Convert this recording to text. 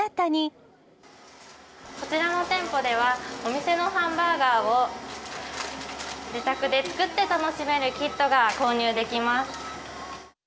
こちらの店舗では、お店のハンバーガーを自宅で作って楽しめるキットが購入できます。